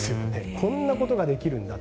こんなことができるんだと。